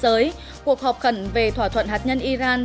trong phần tin thế giới cuộc họp khẩn về thỏa thuận hạt nhân iran